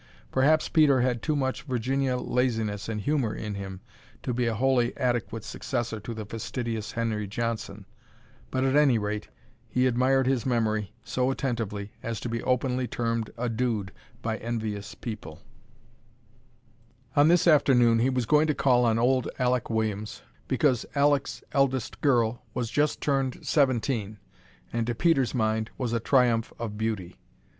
Perhaps Peter had too much Virginia laziness and humor in him to be a wholly adequate successor to the fastidious Henry Johnson, but, at any rate, he admired his memory so attentively as to be openly termed a dude by envious people. [Illustration: "HE HEAVED ONE OF HIS EIGHT OUNCE ROCKS"] On this afternoon he was going to call on old Alek Williams because Alek's eldest girl was just turned seventeen, and, to Peter's mind, was a triumph of beauty.